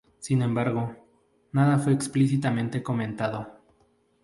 Sin embargo, nada fue explícitamente comentado.